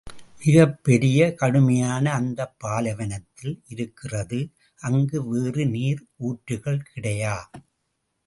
மிகப் பெரிய, கடுமையான அந்தப் பாலைவனத்தில் இருக்கிறது, அங்கு வேறு நீர் ஊற்றுகள் கிடையா.